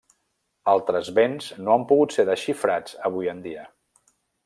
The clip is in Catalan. Altres béns no han pogut ser desxifrats avui en dia.